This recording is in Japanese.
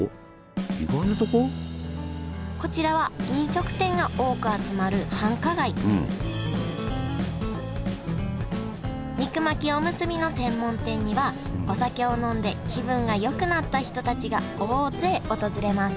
こちらは飲食店が多く集まる繁華街肉巻きおむすびの専門店にはお酒を飲んで気分がよくなった人たちが大勢訪れます